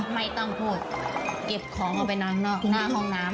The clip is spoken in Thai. ไม่ต้องพูดเก็บของเอาไปนอนนอกหน้าห้องน้ำ